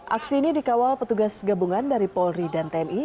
aksi ini dikawal petugas gabungan dari polri dan tni